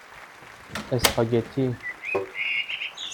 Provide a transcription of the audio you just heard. اسپاگتی